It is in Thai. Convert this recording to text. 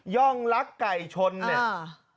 ร่องลักไก่ชนเนี่ย